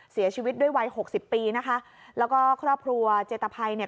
เสียชีวิตด้วยวัยหกสิบปีนะคะแล้วก็ครอบครัวเจตภัยเนี่ย